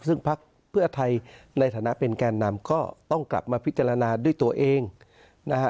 ซึ่งพักเพื่อไทยในฐานะเป็นแก่นำก็ต้องกลับมาพิจารณาด้วยตัวเองนะฮะ